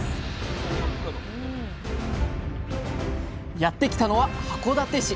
やってきたのは函館市。